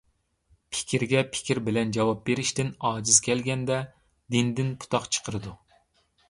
پىكىرگە پىكىر بىلەن جاۋاب بېرىشتىن ئاجىز كەلگەندە دىنىدىن پۇتاق چىقىرىدۇ.